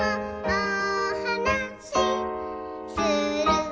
おはなしする」